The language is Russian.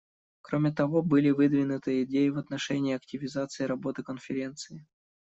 Кроме того, были выдвинуты идеи в отношении активизации работы Конференции.